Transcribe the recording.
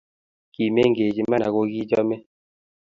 ki mengech iman ako kichame